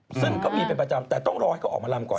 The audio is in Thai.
ซึ่งเขามีเป็นประจำแต่ต้องรอให้เขาออกมาลำก่อน